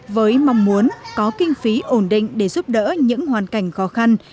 với mong muốn có kinh phí ổn định để giúp đỡ những hoàn cảnh khó khăn